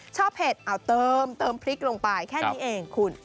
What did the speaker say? เผ็ดเอาเติมพริกลงไปแค่นี้เองคุณ